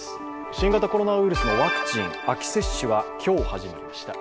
新型コロナウイルスのワクチン、秋接種が今日始まりました。